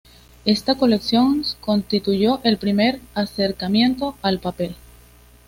Esta colección constituyó el primer acercamiento al papel.